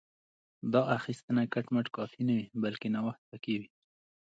دا اخیستنه کټ مټ کاپي نه وي بلکې نوښت پکې وي